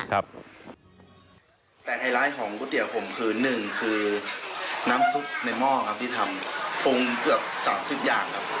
แต่ไฮไลท์ของก๋วยเตี๋ยวผมคือหนึ่งคือน้ำซุปในหม้อครับที่ทำปรุงเกือบ๓๐อย่างครับ